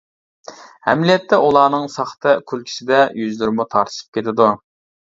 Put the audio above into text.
ئەمەلىيەتتە ئۇلارنىڭ ساختا كۈلكىسىدە يۈزلىرىمۇ تارتىشىپ كېتىدۇ.